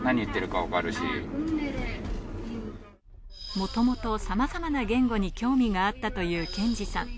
もともと、さまざまな言語に興味があったという健司さん。